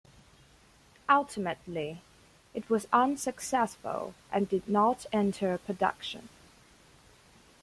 Ultimately, it was unsuccessful and did not enter production.